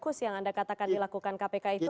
itu hukus yang anda katakan dilakukan kpk itu